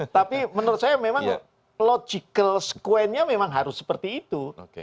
tapi menurut saya memang logical squennya memang harus seperti itu